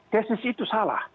tesis itu salah